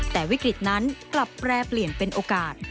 แต่วิกฤตนั้นกลับแปรเปลี่ยนเป็นโอกาส